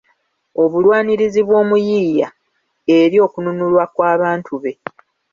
Obulwanirizi bw’omuyiiya eri okununulwa kw’abantu be